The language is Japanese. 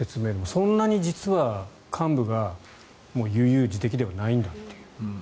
そんなに実は、幹部がもう悠々自適ではないんだという。